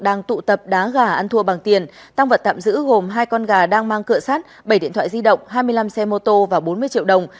đang tụ tập đá gà ăn thua bằng tiền tăng vật tạm giữ gồm hai con gà đang mang cửa sát bảy điện thoại di động hai mươi năm xe mô tô và bốn mươi triệu đồng